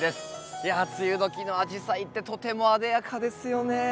いや梅雨時のアジサイってとてもあでやかですよね。